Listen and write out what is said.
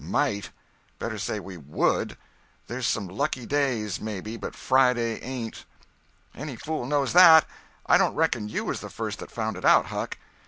"Might! Better say we would! There's some lucky days, maybe, but Friday ain't." "Any fool knows that. I don't reckon you was the first that found it out, Huck."